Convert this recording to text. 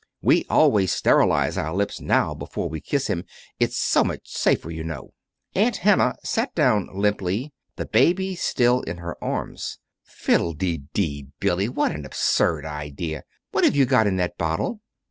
"We always sterilize our lips now before we kiss him it's so much safer, you know." Aunt Hannah sat down limply, the baby still in her arms. "Fiddlededee, Billy! What an absurd idea! What have you got in that bottle?"